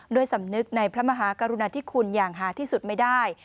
สำนึกในพระมหากรุณาธิคุณอย่างหาที่สุดไม่ได้